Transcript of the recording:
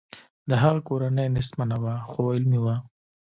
د هغه کورنۍ نیستمنه وه خو علمي وه